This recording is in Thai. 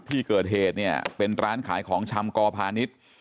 ที่เกิดเหตุเนี่ยเป็นร้านขายของชำกอพาณิชย์